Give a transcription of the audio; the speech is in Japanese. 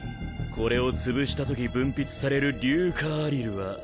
これをつぶした時分泌される硫化アリルは。